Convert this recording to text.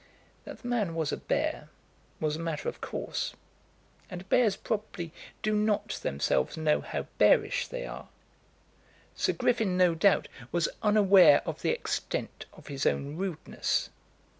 That the man was a bear was a matter of course, and bears probably do not themselves know how bearish they are. Sir Griffin, no doubt, was unaware of the extent of his own rudeness.